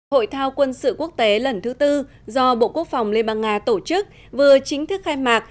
hội thao quân sự quốc tế lần thứ tư do bộ quốc phòng liên bang nga tổ chức vừa chính thức khai mạc